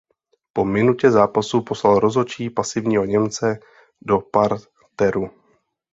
Po minutě zápasu poslal rozhodčí pasivního Němce do parteru.